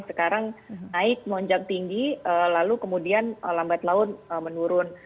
sekarang naik monjak tinggi lalu kemudian lambat laut menurun